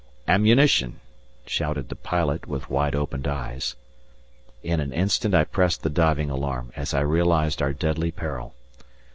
"Ammunition!" shouted the pilot, with wide opened eyes. In an instant I pressed the diving alarm as I realized our deadly peril.